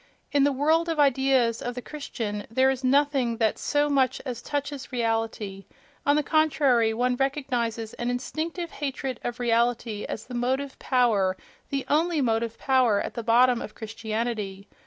In the world of ideas of the Christian there is nothing that so much as touches reality: on the contrary, one recognizes an instinctive hatred of reality as the motive power, the only motive power at the bottom of Christianity.